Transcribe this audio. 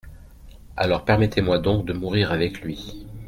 Alors, permettez-moi donc de mourir avec lui.